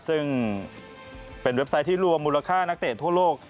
ซึ่งเป็นเว็บไซต์ที่รวมมูลค่านักเตะทั่วโลก